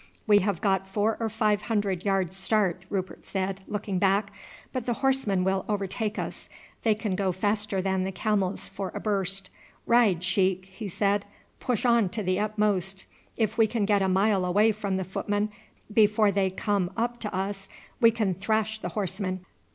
"We have got four or five hundred yards start," Rupert said, looking back, "but the horsemen will overtake us; they can go faster than the camels for a burst. Ride, sheik," he said; "push on to the utmost. If we can get a mile away from the footmen before they come up to us we can thrash the horsemen."